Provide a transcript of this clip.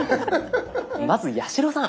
まず八代さん。